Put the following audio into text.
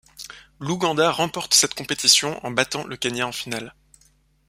L'Ouganda remporte cette compétition en battant le Kenya en finale.